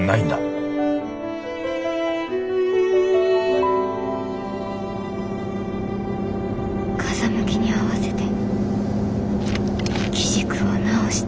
心の声風向きに合わせて機軸を直して。